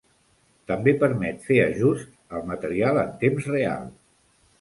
També permet fer ajusts al material en temps real.